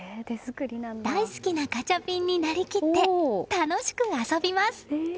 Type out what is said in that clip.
大好きなガチャピンになりきって楽しく遊びます。